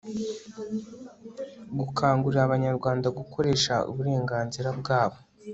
gukangurira abanyarwanda gukoresha uburenganzira bwabo